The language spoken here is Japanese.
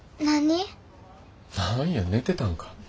何や寝てたんか。